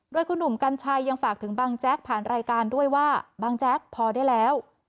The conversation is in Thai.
โดยคุณหนุ่มกัญชัยยังฝากถึงบางแจ๊กผ่านรายการด้วยว่าบางแจ๊กพอได้แล้ว